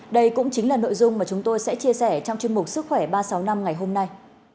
đây cũng chính là nội dung mà chúng tôi sẽ chia sẻ trong chương mục sức khỏe ba trăm sáu mươi năm ngày hôm nay